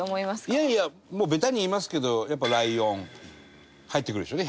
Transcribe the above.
いやいやもうベタに言いますけどやっぱライオン入ってくるでしょうね